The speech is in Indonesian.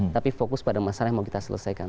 tapi fokus pada masalah yang mau kita selesaikan